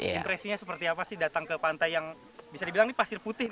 impresinya seperti apa sih datang ke pantai yang bisa dibilang ini pasir putih